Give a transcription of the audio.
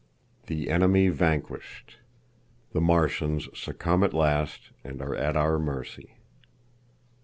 The Enemy Vanquished. The Martians Succumb at Last, and Are at Our Mercy.